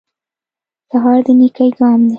سهار د نېکۍ ګام دی.